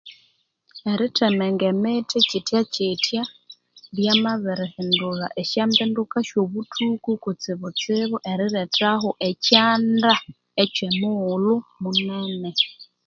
Erithemenga emithi kityakitya lyamabirihendulha esyambinduka esyobuthuku kutsitsibu erirethaho ekyanda kyomighulhu munene